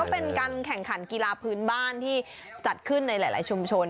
เป็นการแข่งขันกีฬาพื้นบ้านที่จัดขึ้นในหลายชุมชน